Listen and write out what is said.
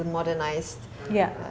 jadi ini adalah